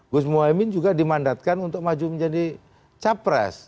gus mohaimin juga dimandatkan untuk maju menjadi capres